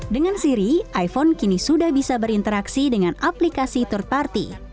dengan siri iphone kini sudah bisa berinteraksi dengan aplikasi third party